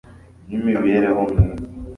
n'imibereho myiza